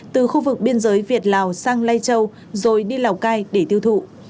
từ khu vực biên giới việt lào sang lai châu rồi đi lào cai để tiêu thụ